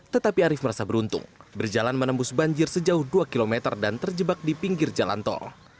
tetapi arief merasa beruntung berjalan menembus banjir sejauh dua km dan terjebak di pinggir jalan tol